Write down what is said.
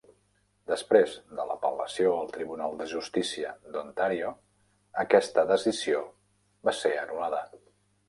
Després de l'apel·lació al Tribunal de Justícia d'Ontario, aquesta decisió va ser anul·lada.